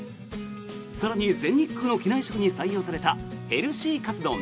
更に全日空の機内食に採用されたヘルシーカツ丼。